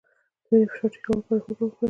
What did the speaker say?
د وینې فشار ټیټولو لپاره هوږه وخورئ